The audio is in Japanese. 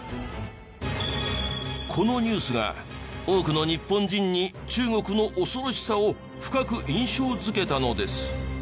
このニュースが多くの日本人に中国の恐ろしさを深く印象づけたのです。